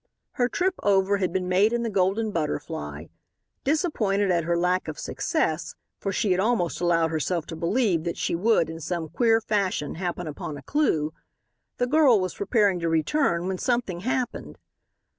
Her trip over had been made in the Golden Butterfly. Disappointed at her lack of success, for she had almost allowed herself to believe that she would, in some queer fashion, happen upon a clew, the girl was preparing to return, when something happened.